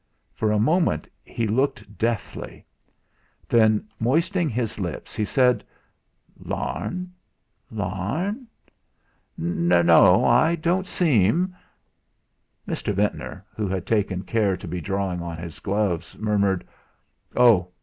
For a moment he looked deathly; then, moistening his lips, he said: "Larne Larne? No, I don't seem " Mr. Ventnor, who had taken care to be drawing on his gloves, murmured: "Oh!